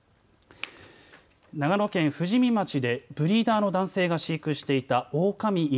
長野県富士見町でブリーダーの男性が飼育していたオオカミ犬